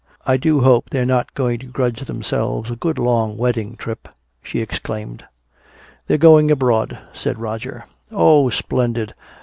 "I do hope they're not going to grudge themselves a good long wedding trip!" she exclaimed. "They're going abroad," said Roger. "Oh, splendid!